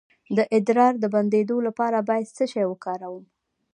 د ادرار د بندیدو لپاره باید څه شی وکاروم؟